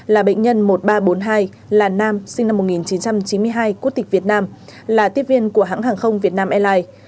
là bệnh nhân một nghìn ba trăm bốn mươi hai là nam sinh năm một nghìn chín trăm chín mươi hai quốc tịch việt nam là tiếp viên của hãng hàng không việt nam airlines